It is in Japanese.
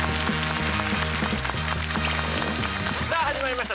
さあ始まりました